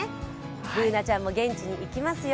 Ｂｏｏｎａちゃんも現地に行きますよ。